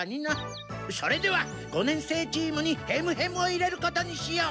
それでは五年生チームにヘムヘムを入れることにしよう。